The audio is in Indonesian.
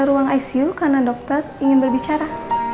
ruang icu karena dokter ingin berbicara